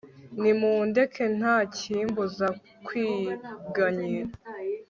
nimundeke, nta kimbuza kwiganyira